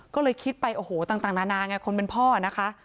ก็เลยคิดไปโอ้โหต่างนานาไงคนเป็นพ่อนะคะ